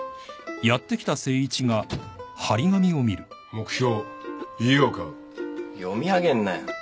「目標家を買う」読み上げんなよ。